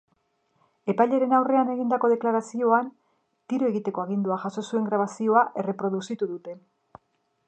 Epailearen aurrean egindako deklarazioan, tiro egiteko agindua jaso zuen grabazioa erreproduzitu dute.